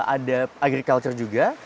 ada agrikultur juga